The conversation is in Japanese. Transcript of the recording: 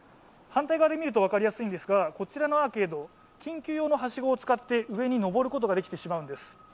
反対側でみると分かりやすいのですが、こちらのアーケード、緊急用のはしごを使って上に上ることができてしまうんです。